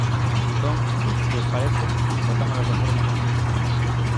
Entón, se lles parece, votámolas de forma conxunta.